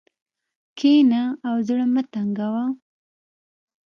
کښېنه او زړه مه تنګوه.